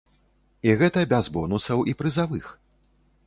І гэта без бонусаў і прызавых.